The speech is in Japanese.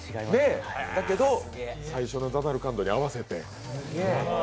だけど、最初の「ザナルカンドにて」に合わせて。